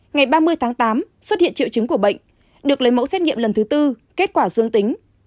ngày ba mươi tháng tám xuất hiện triệu chứng của bệnh được lấy mẫu xét nghiệm lần thứ tư kết quả dương tính